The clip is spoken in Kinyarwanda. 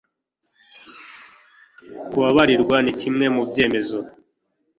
kubabarirwa ni kimwe mubyemezo